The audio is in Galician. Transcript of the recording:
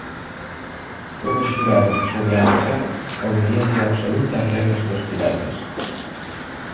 Todos xuraron, sobre a machada, obediencia absoluta ás regras dos piratas.